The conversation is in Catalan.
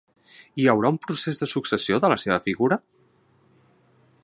Hi haurà un procés de successió de la seva figura?